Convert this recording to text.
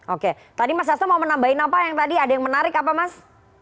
oke tadi mas hasto mau menambahin apa yang tadi ada yang menarik apa mas